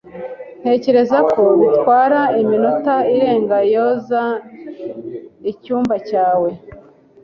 Ntekereza ko bitwara iminota irenga yoza icyumba cyawe.